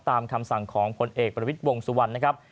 ตามคำสั่งของพลเอกประวิทย์วงสุวรรณนะครับ